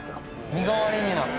身代わりになった？